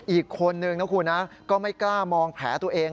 อีกคนนึงนะคุณนะก็ไม่กล้ามองแผลตัวเอง